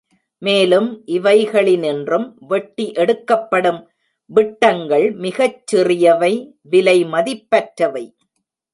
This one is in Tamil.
மேலும் இவைகளினின்றும் வெட்டி எடுக்கப்படும் விட்டங்கள் மிகச் சிறியவை விலைமதிப்பற்றவை.